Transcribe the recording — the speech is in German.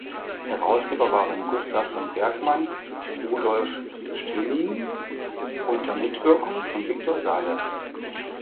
Herausgeber waren Gustav von Bergmann und Rudolf Staehelin unter Mitwirkung von Victor Salle.